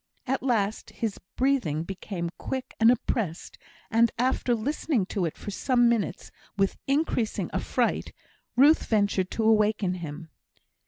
At last, his breathing became quick and oppressed, and, after listening to it for some minutes with increasing affright, Ruth ventured to waken him.